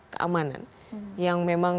keamanan yang memang